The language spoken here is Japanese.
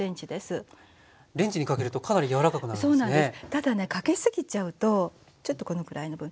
ただねかけすぎちゃうとちょっとこのぐらいの分。